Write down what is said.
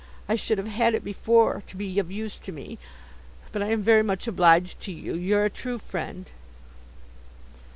I should have had it before to be of use to me. But I am very much obliged to you; you're a true friend.